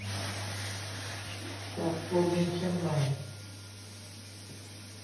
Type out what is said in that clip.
จากตัวเมืองเชียงใหม่